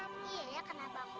apa yang cantik